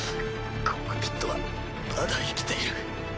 コクピットはまだ生きている。